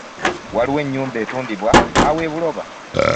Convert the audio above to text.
Waliwo ennyumba etundibwa awo e Buloba.